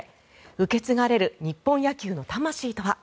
受け継がれる日本野球の魂とは。